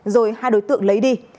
rồi hai đối tượng lấy đi